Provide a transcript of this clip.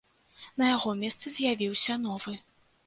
На яго месцы з'явіўся новы.